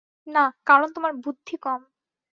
না, কারণ তোমার বুদ্ধি কম।